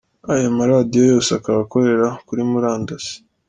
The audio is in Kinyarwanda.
Ayo maradiyo yose akaba akorera kuri murandasi.